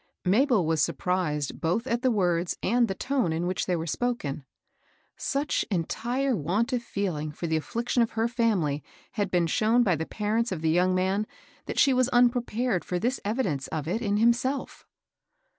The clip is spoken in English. Mabel was surprised both at the words and the tone in which they were spoken. Such entire want of feeling for the afiliction of her family had been shown by the parents of the young man that she was unprepared for this evidence of it* in him self.